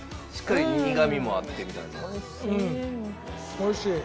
おいしい。